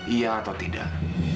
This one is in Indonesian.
iya atau tidak